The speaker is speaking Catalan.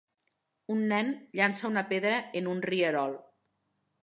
Un nen llança una pedra en un rierol.